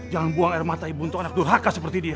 jangan buang air mata ibu untuk anak durhaka seperti dia